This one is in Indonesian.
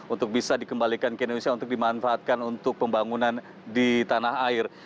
untuk bisa dikembalikan ke indonesia untuk dimanfaatkan untuk pembangunan di tanah air